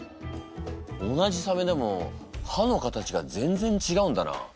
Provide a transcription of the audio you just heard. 同じサメでも歯の形が全然違うんだな。